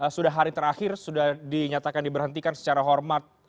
sudah hari terakhir sudah dinyatakan diberhentikan secara hormat